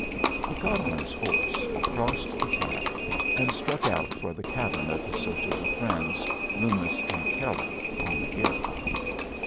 He got on his horse, crossed the flat, and struck out for the cabin of his sociable friends, Loomis and Kelley, on the hill.